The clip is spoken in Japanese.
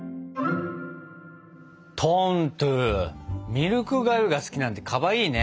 ミルクがゆが好きなんてかわいいね。